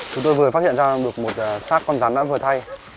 chúng tôi vừa phát hiện ra được một sát con rắn đã vừa thay